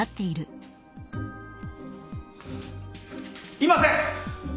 いません。